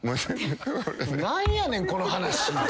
何やねんこの話。